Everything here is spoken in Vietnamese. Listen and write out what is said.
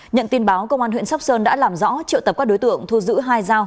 nhận tin báo công an huyện sóc sơn đã làm rõ triệu tập các đối tượng thu giữ hai dao